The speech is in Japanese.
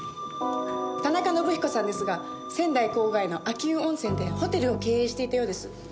田中伸彦さんですが仙台郊外の秋保温泉でホテルを経営していたようです。